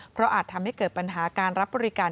เพราะอาจทำให้เกิดปัญหาการรับบริการ